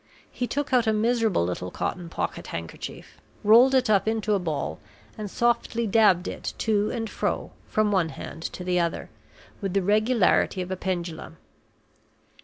He took out a miserable little cotton pocket handkerchief, rolled it up into a ball, and softly dabbed it to and fro, from one hand to the other, with the regularity of a pendulum.